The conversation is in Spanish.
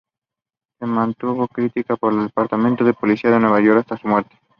Se mantuvo crítica con el Departamento de Policía de Nueva York hasta su muerte.